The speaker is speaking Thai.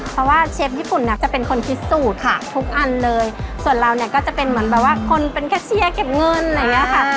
เพราะว่าเชฟญี่ปุ่นเนี่ยจะเป็นคนคิดสูตรค่ะทุกอันเลยส่วนเราเนี่ยก็จะเป็นเหมือนแบบว่าคนเป็นแคชเชียร์เก็บเงินอะไรอย่างเงี้ยค่ะ